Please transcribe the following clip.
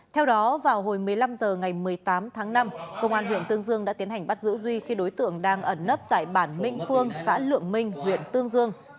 theo đó vào hồi một mươi năm h ngày một mươi tám tháng năm công an huyện tương dương đã tiến hành bắt giữ duy khi đối tượng đang ẩn nấp tại bản minh phương xã lượng minh huyện tương dương